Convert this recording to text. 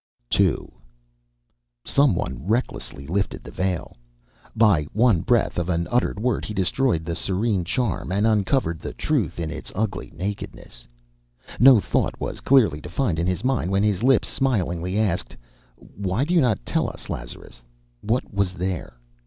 II Some one recklessly lifted the veil. By one breath of an uttered word he destroyed the serene charm, and uncovered the truth in its ugly nakedness. No thought was clearly defined in his mind, when his lips smilingly asked: "Why do you not tell us, Lazarus, what was There?"